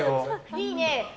いいね。